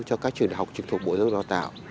cho các trường đại học trực thuộc bộ giáo dục đào tạo